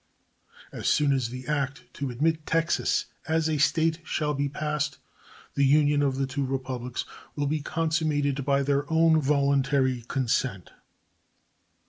As soon as the act to admit Texas as a State shall be passed the union of the two Republics will be consummated by their own voluntary consent.